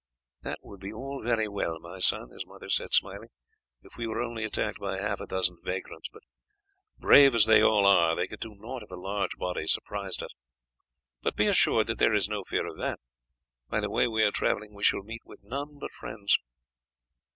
"That would be all very well, my son," his mother said smiling, "if we were only attacked by half a dozen vagrants, but brave as they all are they could do naught if a large body surprised us; but be assured that there is no fear of that by the way we are travelling we shall meet with none but friends."